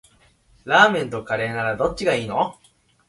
ラーメンとカレーならどっちがいいの？